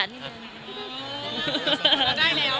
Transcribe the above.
อ๋อได้แล้ว